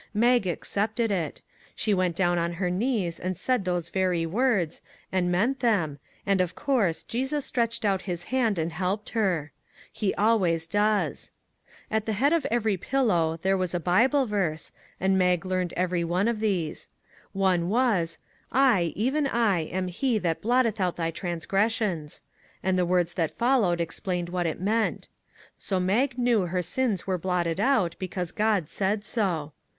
Mag accepted it. She went down on her knees and said those very words, and meant them, and, of course, Jesus stretched out his hand and helped her. He al ways does. At the head of every " Pillow " there was a Bible verse, and Mag learned every 142 DISCOVERIES one of these. One was, " I, even I, am he that blotteth out thy transgressions," and the words that followed explained what it meant. So Mag knew her sins were blotted out, because God said so.